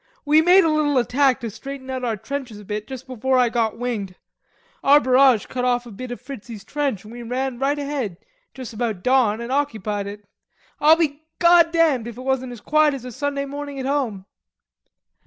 "We made a little attack to straighten out our trenches a bit just before I got winged. Our barrage cut off a bit of Fritzie's trench an' we ran right ahead juss about dawn an' occupied it. I'll be goddamned if it wasn't as quiet as a Sunday morning at home."